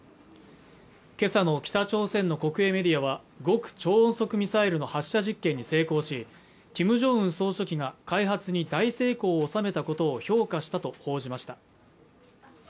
今朝の北朝鮮の国営メディアは極超音速ミサイルの発射実験に成功しキム・ジョンウン総書記が開発に大成功を収めたことを評価したと報じました